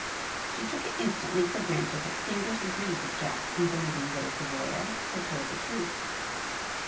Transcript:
She took it instantly for granted that Sanders agreed with Jack in believing Lyda Pavoya had told the truth.